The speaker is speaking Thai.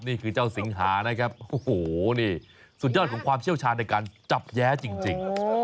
นี่คือเจ้าสิงหานะครับโอ้โหนี่สุดยอดของความเชี่ยวชาญในการจับแย้จริง